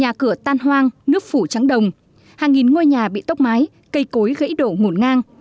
nhà cửa tan hoang nước phủ trắng đồng hàng nghìn ngôi nhà bị tốc mái cây cối gãy đổ ngổn ngang